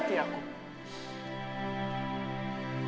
tidak mengerti aku